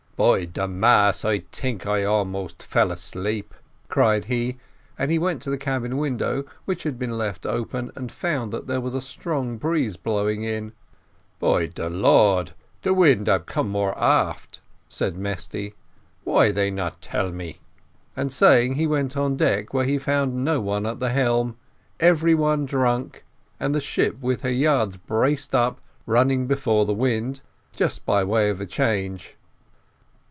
"By de mass, I tink I almost fall asleep," cried he, and he went to the cabin window, which had been left open, and found that there was a strong breeze blowing in. "By de Lord, de wind ab come more aft," said Mesty, "why they not tell me?" So saying, he went on deck, where he found no one at the helm; every one drunk, and the ship with her yards braced up running before the wind, just by way of a change.